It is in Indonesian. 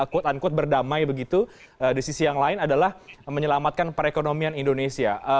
quote unquote berdamai begitu di sisi yang lain adalah menyelamatkan perekonomian indonesia